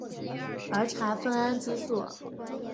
儿茶酚胺激素。